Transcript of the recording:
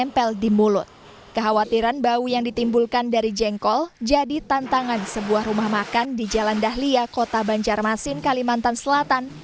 pembancar masin kalimantan selatan